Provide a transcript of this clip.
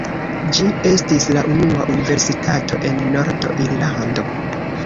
Ĝi estis la unua universitato en Nord-Irlando.